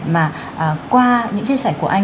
mà qua những chia sẻ của anh